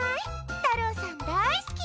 たろうさんだいすき！